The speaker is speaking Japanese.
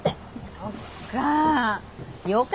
そっか。